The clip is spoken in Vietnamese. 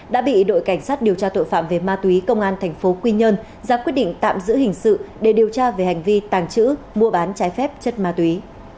đã bị đội cảnh sát điều tra tội phạm về ma túy công an thành phố quy nhơn ra quyết định tạm giữ hình sự để điều tra về hành vi tàng trữ mua bán trái phép chất ma túy